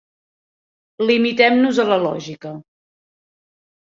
Limitem-nos a la lògica.